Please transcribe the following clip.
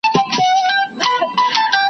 په عام ځای کې لاړې مه توکوئ.